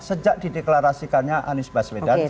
sejak dideklarasikannya anies baswedan